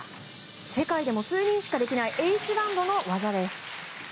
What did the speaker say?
世界でも数人しかできないＨ難度の技です。